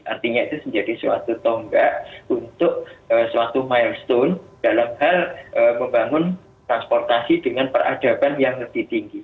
artinya itu menjadi suatu tonggak untuk suatu milestone dalam hal membangun transportasi dengan peradaban yang lebih tinggi